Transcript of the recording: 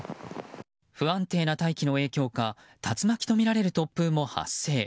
不安定な大気の影響か竜巻とみられる突風も発生。